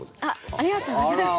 ありがとうございます。